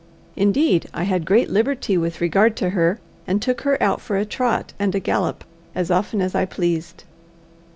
Indeed, I had great liberty with regard to her, and took her out for a trot and a gallop as often as I pleased.